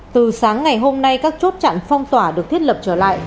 từ sáng ngày hôm nay các chốt chặn phong tỏa được thiết lập trở lại